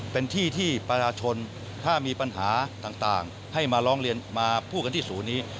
เป็นที่ที่ประชาชนถ้ามีปัญหาต่างให้มาร้องเรียนมาพูดกันที่ศูนย์นี้